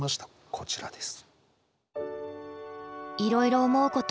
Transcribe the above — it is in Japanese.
こちらです。